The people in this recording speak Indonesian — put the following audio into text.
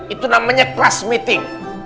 itu namanya class meeting